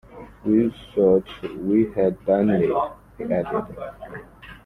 We thought we had done it, he added.